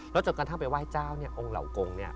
แล้วจนกันทางไปไหว้เจ้าเนี่ยองค์เหล่ากงเนี่ย